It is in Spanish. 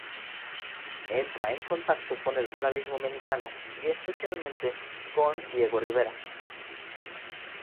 Entra en contacto con el muralismo mexicano y especialmente con Diego Rivera.